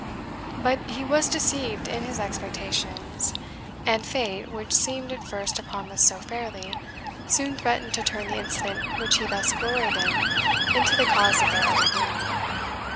But he was deceived in his expectations; and fate, which seemed at first to promise so fairly, soon threatened to turn the incident which he thus gloried in into the cause of their utter ruin.